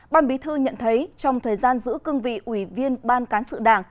ban bí thư nhận thấy trong thời gian giữ cương vị ủy viên ban cán sự đảng